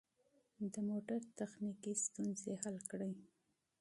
د موټر تخنیکي ستونزې حل کړئ.